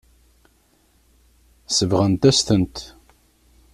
Sebɣent-as-tent.